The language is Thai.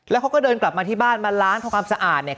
แล้วเขาก็เดินกลับมาที่บ้านมาล้างทำความสะอาดเนี่ย